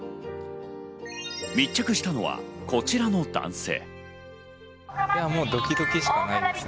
密着したのはこちらの男性。